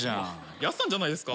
ヤスさんじゃないですか。